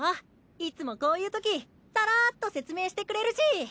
いつもこういうときさらっと説明してくれるし。